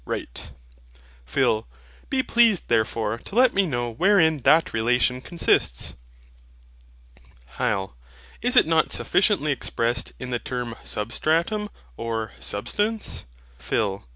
Right. PHIL. Be pleased therefore to let me know wherein that relation consists. HYL. Is it not sufficiently expressed in the term SUBSTRATUM, or SUBSTANCE? PHIL.